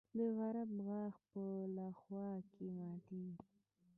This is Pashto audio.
د غریب غاښ په حلوا کې ماتېږي.